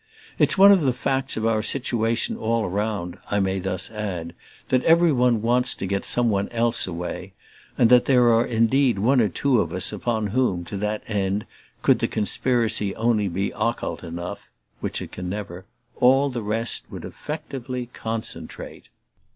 It's one of the facts of our situation all round, I may thus add, that every one wants to get some one else away, and that there are indeed one or two of us upon whom, to that end, could the conspiracy only be occult enough which it can never! all the rest would effectively concentrate.